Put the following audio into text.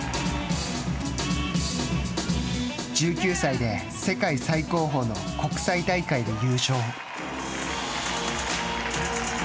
１９歳で世界最高峰の国際大会で優勝。